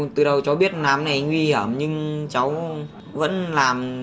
từ đầu cháu biết làm thế này nguy hiểm nhưng cháu vẫn làm